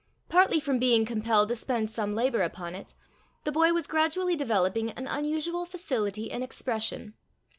Partly from being compelled to spend some labour upon it, the boy was gradually developing an unusual facility in expression.